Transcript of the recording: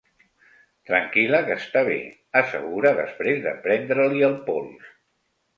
Tranquil·la, que està bé —assegura, després de prendre-li el pols—.